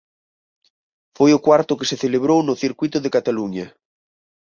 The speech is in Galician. Foi o cuarto que se celebrou no Circuíto de Cataluña.